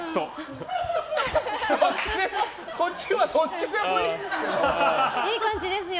こっちはどっちでもいいんですけど。